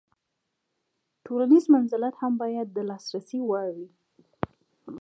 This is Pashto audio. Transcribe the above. تولنیز منزلت هم باید د لاسرسي وړ وي.